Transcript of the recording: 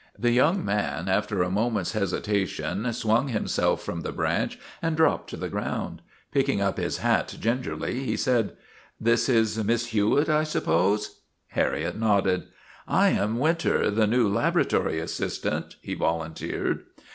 The young man, after a moment's hesitation, swung himself from the branch and dropped to the ground. Picking up his hat gingerly, he said :" This is Miss Hewitt, I suppose? ' Harriet nodded. " I am Winter, the new laboratory assistant," he volunteered.